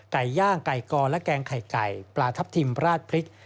ไก่ย่างไก่กอและแกงไข่ไก่ปลาทับทิมราดพริก